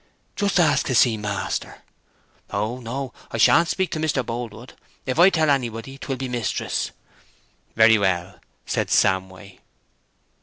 "Just ask to see master." "Oh no; I shan't speak to Mr. Boldwood. If I tell anybody, 'twill be mistress." "Very well," said Samway.